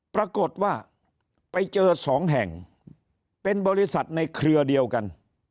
ปรากฏว่าไปเจอสองแห่งเป็นบริษัทในเครือเดียวกัน